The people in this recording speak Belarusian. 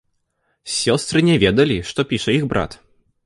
Сёстры не ведалі, што піша іх брат.